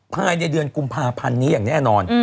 ภายในเดือนกุมภาพันธ์นี้อย่างแน่นอน